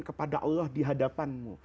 kepada allah di hadapanmu